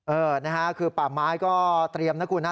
เออนะฮะคือป่าไม้ก็เตรียมนะคุณนะ